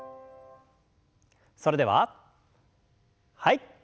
それでははい。